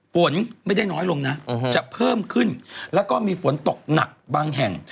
ฝนไม่ได้น้อยลงนะจะเพิ่มขึ้นแล้วก็มีฝนตกหนักบางแห่ง